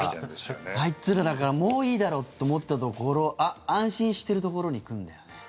あいつらだから、もういいだろって思ったところ安心してるところに来るんだよね。